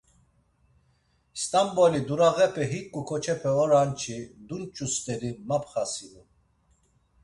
İstanboli durağepe hiǩu ǩoçepe oran-çi dunç̌u st̆eri, mapxasinu.